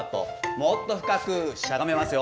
もっと深くしゃがめますよ。